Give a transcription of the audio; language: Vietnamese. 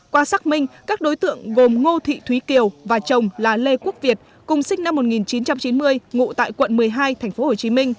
qua xác minh các đối tượng gồm ngô thị thúy kiều và chồng là lê quốc việt cùng sinh năm một nghìn chín trăm chín mươi ngụ tại quận một mươi hai tp hcm